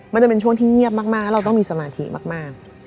มันจะเป็นช่วงที่เงียบมากแล้วเราต้องมีสมาธิมาก